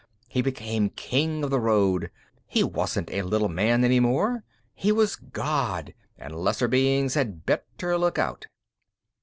He became king of the road. He wasn't a little man any more. He was God, and lesser beings had better look out.